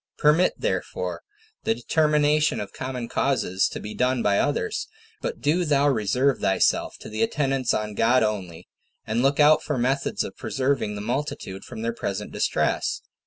Permit, therefore, the determination of common causes to be done by others, but do thou reserve thyself to the attendance on God only, and look out for methods of preserving the multitude from their present distress.